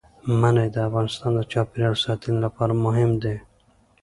منی د افغانستان د چاپیریال ساتنې لپاره مهم دي.